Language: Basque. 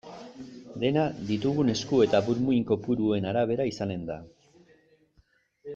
Dena ditugun esku eta burmuin kopuruen arabera izanen da.